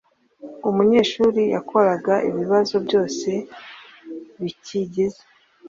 umunyeshuri yakoraga ibibazo byose bikigize